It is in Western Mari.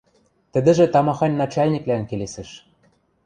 Тӹдӹжӹ тамахань начальниклӓн келесӹш.